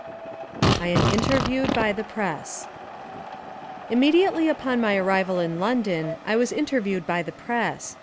I Am Interviewed by the Press IMMEDIATELY upon my arrival in London I was interviewed by the Press.